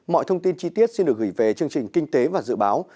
mọi thông tin chi tiết xin được gửi về chương trình kinh tế và dự báo